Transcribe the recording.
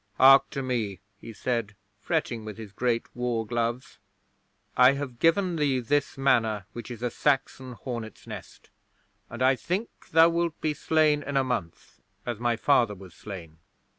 '"Hark to me," he said, fretting with his great war gloves. "I have given thee this Manor, which is a Saxon hornets' nest, and I think thou wilt be slain in a month as my father was slain.